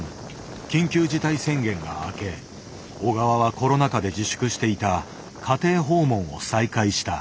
緊急事態宣言が明け小川はコロナ禍で自粛していた「家庭訪問」を再開した。